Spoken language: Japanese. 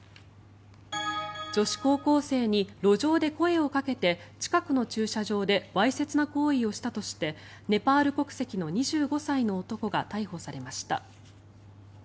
女子高校生に路上で声をかけて近くの駐車場でわいせつな行為をしたとしてネパール国籍の２５歳の男が逮捕されました。